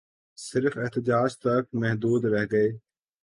صرف احتجاج تک محدود رہ گئے